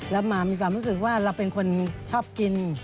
แล้วมามีความรู้สึกว่าเราเป็นคนชอบกิน